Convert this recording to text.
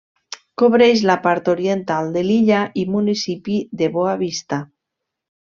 Cobreix la part oriental de l'illa i municipi de Boa Vista.